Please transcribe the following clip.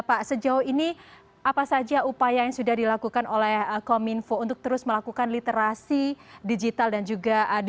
pak sejauh ini apa saja upaya yang sudah dilakukan oleh kominfo untuk terus melakukan literasi digital dan juga digital